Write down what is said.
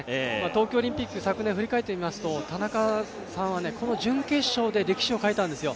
東京オリンピック、昨年振り返ってみますと、田中さんはこの準決勝で歴史を変えたんですよ。